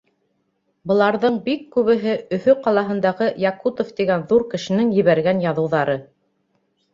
Быларҙың бик күбеһе Өфө ҡалаһындағы Якутов тигән ҙур кешенең ебәргән яҙыуҙары.